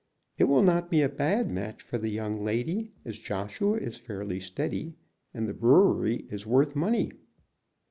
"It will not be a bad match for the young lady, as Joshua is fairly steady, and the brewery is worth money."